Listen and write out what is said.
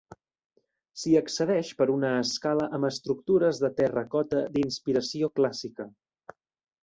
S'hi accedeix per una escala amb escultures de terracota d'inspiració clàssica.